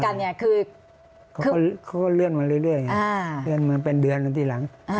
เค้าเรื่อง๔๗ปีมาเรื่อยเรื่องวันเป็นเดือนคราวนี้แล้ว